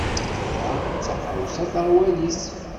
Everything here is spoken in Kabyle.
Ta d taɣawsa taɣwalit.